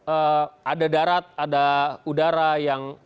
ee ada darat ada udara yang